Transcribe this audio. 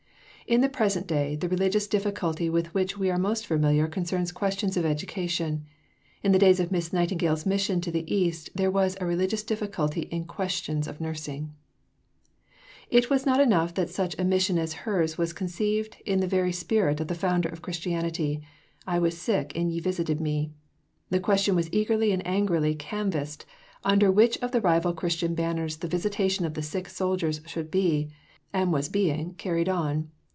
In the present day, the religious difficulty with which we are most familiar concerns questions of education. In the days of Miss Nightingale's mission to the East there was a religious difficulty in questions of nursing. It was not enough that such a mission as hers was conceived in the very spirit of the Founder of Christianity: "I was sick, and ye visited me." The question was eagerly and angrily canvassed under which of the rival Christian banners the visitation of the sick soldiers should be, and was being, carried on.